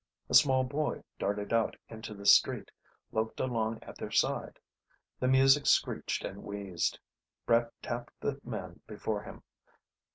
A small boy darted out into the street, loped along at their side. The music screeched and wheezed. Brett tapped the man before him.